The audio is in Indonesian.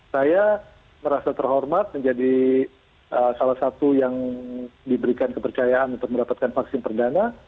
saya merasa terhormat menjadi salah satu yang diberikan kepercayaan untuk mendapatkan vaksin perdana